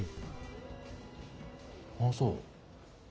あっそう。